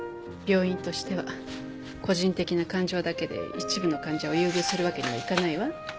病院としては個人的な感情だけで一部の患者を優遇するわけにはいかないわ。